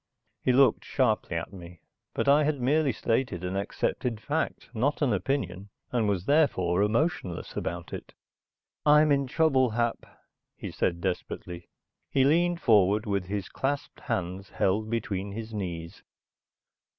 He looked sharply at me, but I had merely stated an accepted fact, not an opinion, and was therefore emotionless about it. "I'm in trouble, Hap," he said desperately. He leaned forward with his clasped hands held between his knees.